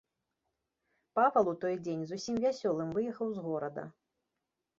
Павал у той дзень зусім вясёлым выехаў з горада.